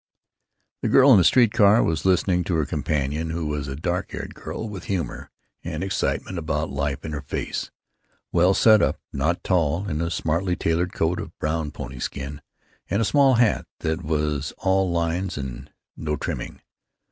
The girl in the street car was listening to her companion, who was a dark haired girl with humor and excitement about life in her face, well set up, not tall, in a smartly tailored coat of brown pony skin and a small hat that was all lines and no trimming.